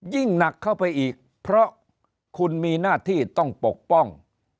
ยิ่งหนักเข้าไปอีกเพราะคุณมีหน้าที่ต้องปกป้อง